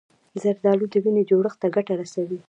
زردالو د وینې جوړښت ته ګټه رسوي.